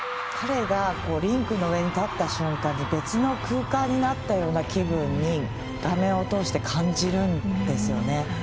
彼がリンクの上に立った瞬間に別の空間になったような気分に画面を通して感じるんですよね。